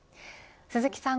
鈴木さん